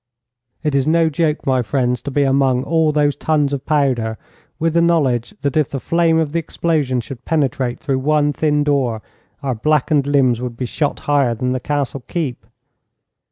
It is no joke, my friends, to be among all those tons of powder, with the knowledge that if the flame of the explosion should penetrate through one thin door our blackened limbs would be shot higher than the Castle keep.